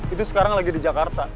itu sekarang lagi di jakarta